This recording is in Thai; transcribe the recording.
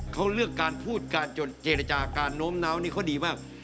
เขาเลือกการพูดการจนเจรจาการโน้มน้าวนี่เขาดีมาก